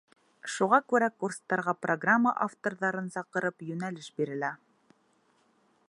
Шуға күрә курстарға программа авторҙарын саҡырып, йүнәлеш бирелә.